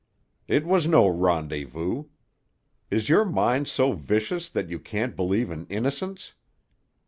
It was no rendezvous. Is your mind so vicious that you can't believe in innocence?